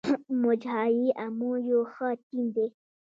موج های امو یو ښه ټیم دی.